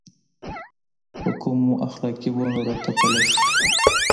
په کومو اخلاقي بڼو راتپلی شي.